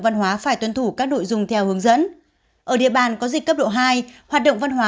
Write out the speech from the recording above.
văn hóa phải tuân thủ các nội dung theo hướng dẫn ở địa bàn có dịch cấp độ hai hoạt động văn hóa